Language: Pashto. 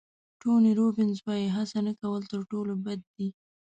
ټوني روبینز وایي هڅه نه کول تر ټولو بد دي.